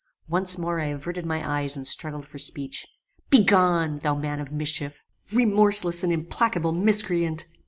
Once more I averted my eyes and struggled for speech. "Begone! thou man of mischief! Remorseless and implacable miscreant!